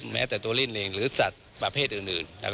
แม้แต่ตัวลิ่นเองหรือสัตว์ประเภทอื่น